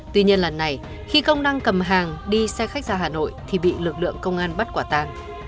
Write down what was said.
tuy nhiên lần này khi công năng cầm hàng đi xe khách ra hà nội thì bị lực lượng công an bắt quả tàng